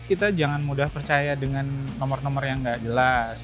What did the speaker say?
kita jangan mudah percaya dengan nomor nomor yang nggak jelas